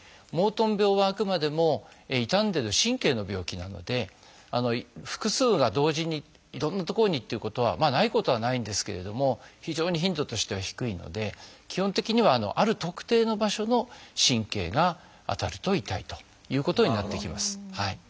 モートン病はあくまでも傷んでる神経の病気なので複数が同時にいろんな所にっていうことはないことはないんですけれども非常に頻度としては低いので基本的にはある特定の場所の神経が当たると痛いということになってきます。